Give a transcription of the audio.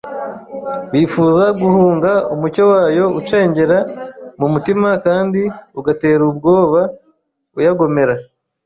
Bifuza guhunga umucyo wayo ucengera mu mutima kandi ugatera ubwoba uyagomera